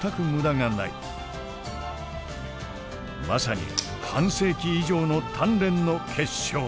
まさに半世紀以上の鍛錬の結晶だ。